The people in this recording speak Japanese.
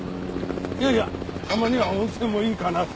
いやいやたまには温泉もいいかなって。